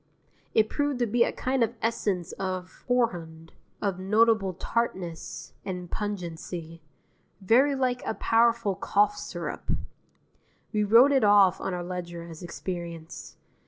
It proved to be a kind of essence of horehound, of notable tartness and pungency, very like a powerful cough syrup. We wrote it off on our ledger as experience.